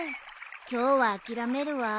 今日は諦めるわ。